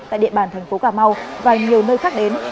tại địa bàn tp cà mau và nhiều nơi khác đến